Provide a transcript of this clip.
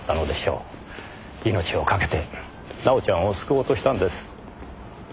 命をかけて奈緒ちゃんを救おうとしたんです。